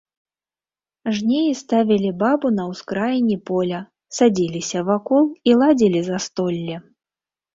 Жнеі ставілі бабу на ўскраіне поля, садзіліся вакол і ладзілі застолле.